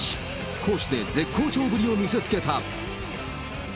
攻守で絶好調ぶりを見せつけた。